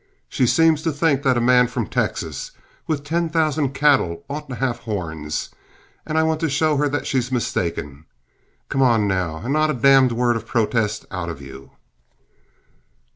She seems to think that a man from Texas with ten thousand cattle ought to have horns, and I want to show her that she's mistaken. Come on, now, and not a damned word of protest out of you."